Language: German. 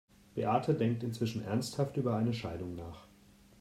Beate denkt inzwischen ernsthaft über eine Scheidung nach.